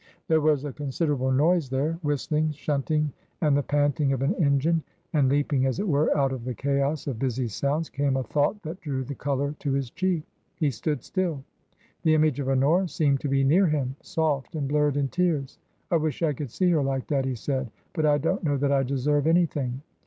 There was a consid erable noise there — whistling, shunting, and the panting TRANSITION. 329 of an engine. And leaping, as it were, out of the chaos of busy sounds came a thought that drew the colour to his cheek. He stood still. The image of Honora seemed to be near him, soft, and blurred in tears. " I wish I could see her like that," he said ;" but I don't know that I deserve anything."